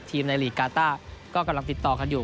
ในหลีกกาต้าก็กำลังติดต่อกันอยู่